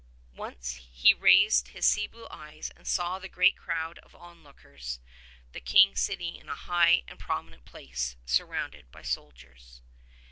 Once he raised his sea blue eyes and saw the great crowd of onlook ers, the King sitting in a high and prominent place sur rounded by soldiers.